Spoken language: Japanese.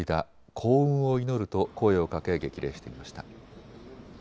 幸運を祈ると声をかけ激励していました。